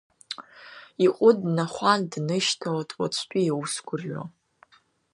Иҟәыд днахәан днышьҭалт, уаҵәтәи иус гәрҩо.